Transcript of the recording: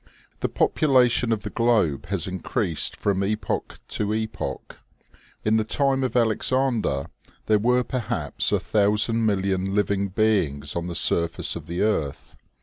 The population of the globe has increased from epoch to epoch. In the time of Alexander there were perhaps a thousand million living beings on the surface of the earth.